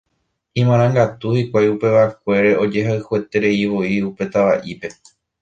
Imarangatu hikuái upevakuére ojehayhuetereivoi upe tava'ípe.